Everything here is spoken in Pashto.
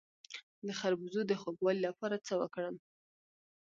د خربوزو د خوږوالي لپاره څه وکړم؟